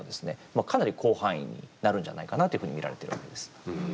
かなり広範囲になるんじゃないかなっていうふうにみられてるわけです。